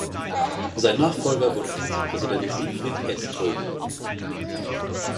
Sein Nachfolger wurde Vizepräsident Sigfrid Edström.